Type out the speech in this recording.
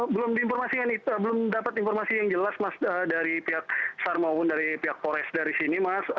belum diinformasikan belum dapat informasi yang jelas mas dari pihak sar maupun dari pihak polres dari sini mas